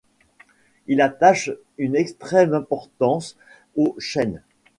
Il attache une extrême importance aux chênes.